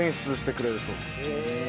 へえ。